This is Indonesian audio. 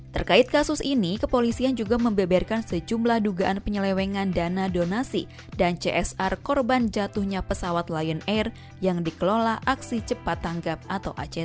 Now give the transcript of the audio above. terkait kasus ini kepolisian juga membeberkan sejumlah dugaan penyelewengan dana donasi dan csr korban jatuhnya pesawat lion air yang dikelola aksi cepat tanggap atau act